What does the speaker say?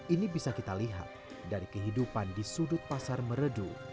ini bisa kita lihat dari kehidupan di sudut pasar meredu